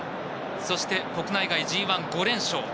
そして、国内外ＧＩ、５連勝。